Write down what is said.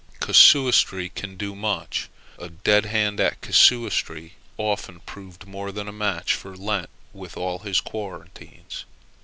Casuistry can do much. A dead hand at casuistry has often proved more than a match for Lent with all his quarantines.